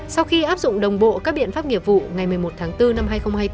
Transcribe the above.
sau khi áp dụng đồng bộ các biện pháp nghiệp vụ ngày một mươi một tháng bốn năm hai nghìn hai mươi bốn